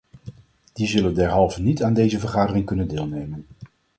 Die zullen derhalve niet aan deze vergadering kunnen deelnemen.